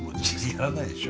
やらないでしょ。